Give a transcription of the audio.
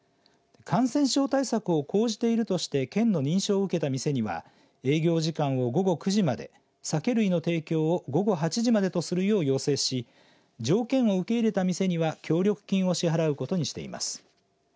感染症対策を講じているとして県の認証を受けた店には営業時間を午後９時まで酒類の提供を午後８時までとするよう要請し条件を受け入れた店には協力金を支払うことにしています。